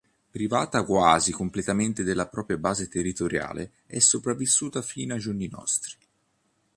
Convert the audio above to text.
Privata quasi completamente della propria base territoriale è sopravvissuta fino ai giorni nostri.